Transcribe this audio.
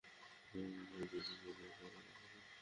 আর নতুন ঝাড়ু পেয়েছি, জানো, ঝাড়ুটা কেমন?